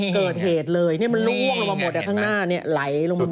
เกิดเหตุเลยมันล่วงลงมาหมดข้างหน้าไหลลงมาหมด